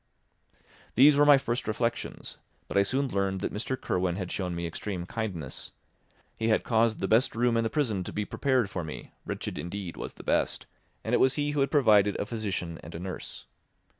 These were my first reflections, but I soon learned that Mr. Kirwin had shown me extreme kindness. He had caused the best room in the prison to be prepared for me (wretched indeed was the best); and it was he who had provided a physician and a nurse.